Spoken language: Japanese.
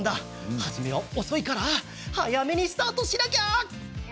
初めは遅いから早めにスタートしなきゃ。